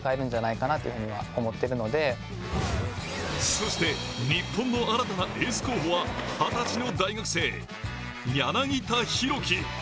そして日本の新たなエース候補は二十歳の大学生、柳田大輝。